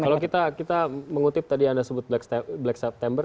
kalau kita mengutip tadi anda sebut black september